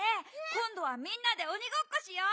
こんどはみんなでおにごっこしよう。